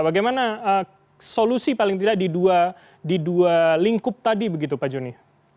bagaimana solusi paling tidak di dua lingkup tadi begitu pak joni